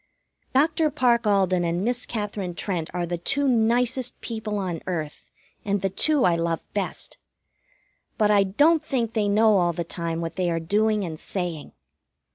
Dr. Parke Alden and Miss Katherine Trent are the two nicest people on earth, and the two I love best. But I don't think they know all the time what they are doing and saying.